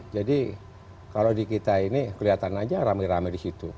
jadi kalau di kita ini kelihatan aja rame rame di situ